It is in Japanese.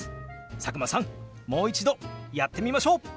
佐久間さんもう一度やってみましょう！